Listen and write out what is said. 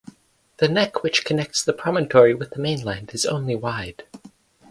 The neck which connects the promontory with the mainland is only wide.